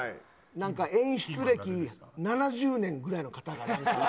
演出歴７０年ぐらいの方が。